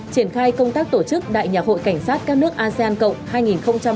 triển khai công tác tổ chức đại nhạc hội cảnh sát các nước asean cộng hai nghìn hai mươi